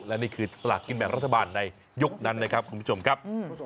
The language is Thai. และนี่คือสลากกินแบ่งรัฐบาลในยุคนั้นนะครับคุณผู้ชมครับ